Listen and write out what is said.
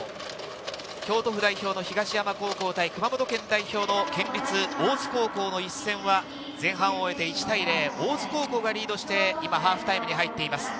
京都府代表の東山高校対熊本県代表の県立大津高校の一戦は、前半を終えて１対０、大津高校がリードして、ハーフタイムに入っています。